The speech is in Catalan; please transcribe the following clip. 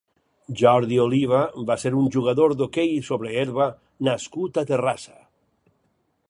Jordi Oliva va ser un jugador d'hoquei sobre herba nascut a Terrassa.